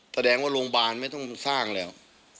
แสดงว่าโรงพยาบาลไม่ต้องสร้างแล้ว